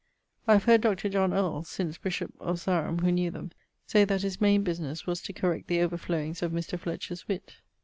I have heard Dr. John Earles (since bishop of Sarum), who knew them, say that his maine businesse was to correct the overflowings of Mr. Fletcher's witt.